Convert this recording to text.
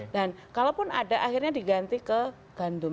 dan kalaupun ada akhirnya diganti ke gandum